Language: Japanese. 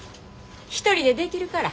一人でできるから。